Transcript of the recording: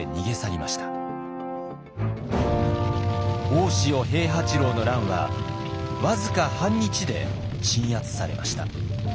大塩平八郎の乱は僅か半日で鎮圧されました。